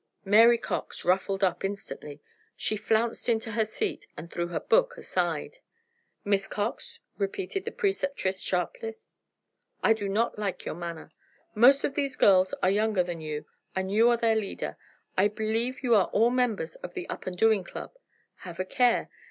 Mary Cox ruffled up instantly. She flounced into her seat and threw her book aside. "Miss Cox," repeated the Preceptress, sharply, "I do not like your manner. Most of these girls are younger than you, and you are their leader. I believe you are all members of the Up and Doing Club. Have a care.